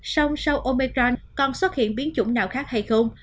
sông sau omicron còn xuất hiện biến chủng nào khác hay không